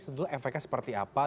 tentu efeknya seperti apa